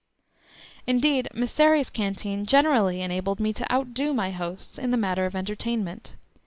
Indeed, Mysseri's canteen generally enabled me to outdo my hosts in the matter of entertainment.